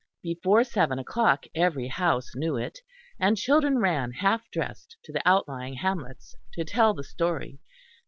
Before seven o'clock every house knew it, and children ran half dressed to the outlying hamlets to tell the story.